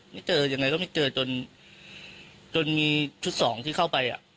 ไม่เจอยังไงก็ไม่เจอจนจนมีชุดสองที่เข้าไปอ่ะ